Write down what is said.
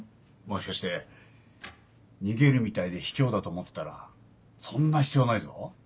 もしかして逃げるみたいで卑怯だと思ってたらそんな必要ないぞ。